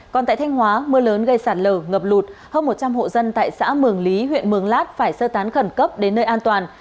còn tại thanh hóa mưa lớn gây sạt lở ngập lụt hơn một trăm linh hộ dân tại xã mường lý huyện mường lát phải sơ tán khẩn cấp đến nơi an toàn